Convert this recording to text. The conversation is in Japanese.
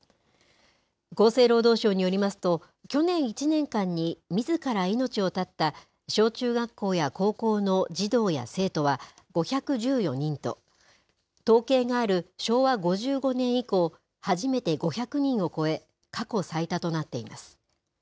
厚生労働省によりますと去年１年間にみずから命を絶った小中学校や高校の児童や生徒は５１４人と、統計がある昭和５５年以降、初めて５００人を超え過去最多となっています。